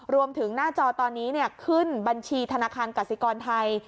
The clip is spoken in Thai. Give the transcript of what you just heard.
หน้าจอตอนนี้ขึ้นบัญชีธนาคารกสิกรไทย